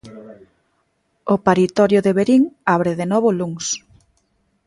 O paritorio de Verín abre de novo o luns.